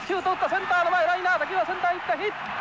センターの前ライナーだセンター行ったヒット。